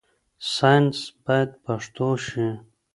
ساينس بايد پښتو شي.